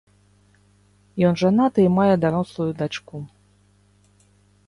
Ён жанаты і мае дарослую дачку.